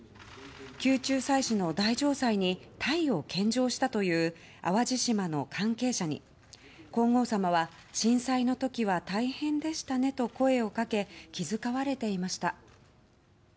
宮中祭祀の大嘗祭にタイを献上したという淡路島の関係者に皇后さまは、震災の時は大変でしたねと声をかけ気遣われていました。